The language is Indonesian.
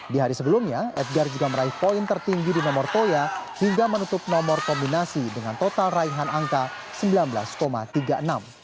di hari sebelumnya edgar juga meraih poin tertinggi di nomor toya hingga menutup nomor kombinasi dengan total raihan angka sembilan belas tiga puluh enam